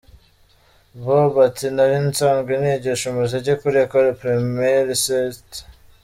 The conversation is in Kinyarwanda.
Bob ati “Nari nsanzwe nigisha umuziki kuri Ecole Primaire St.